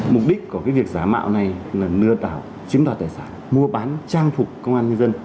mục đích của việc giả mạo này là lừa đảo chiếm đoạt tài sản mua bán trang phục công an nhân dân